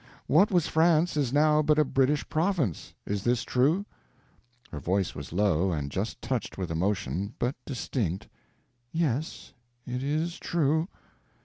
What was France is now but a British province. Is this true?" Her voice was low, and just touched with emotion, but distinct: "Yes, it is true."